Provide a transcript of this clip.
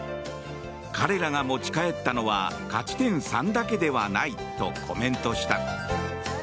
彼らが持ち帰ったのは勝ち点３だけではないとコメントした。